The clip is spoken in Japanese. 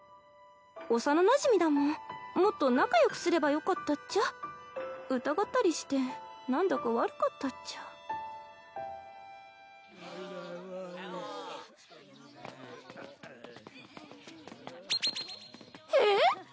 幼なじみだもんもっと仲良くすればよかったっちゃ疑ったりして何だか悪かったっちゃえっ？